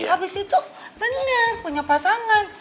abis itu bener punya pasangan